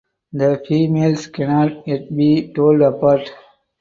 The females cannot yet be told apart.